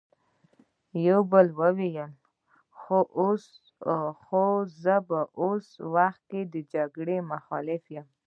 يوه بل وويل: خو زه په اوس وخت کې د جګړې مخالف يم!